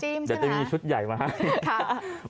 เดี๋ยวจะมีชุดใหญ่มาให้